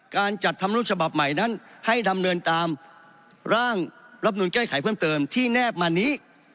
การจัดทำนุนฉบับใหม่นั้นให้ดำเนินตามร่างรับนูลแก้ไขเพิ่มเติมที่แนบมานี้